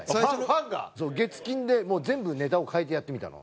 月金で全部ネタを変えてやってみたの。